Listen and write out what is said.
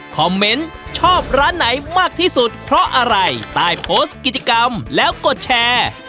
เมนต์ชอบร้านไหนมากที่สุดเพราะอะไรใต้โพสต์กิจกรรมแล้วกดแชร์